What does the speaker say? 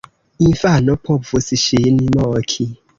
Infano povus ŝin moki.